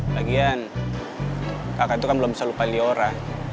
lagian kakak tuh kan belum bisa lupa liora